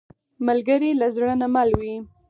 ملګری له زړه نه مل وي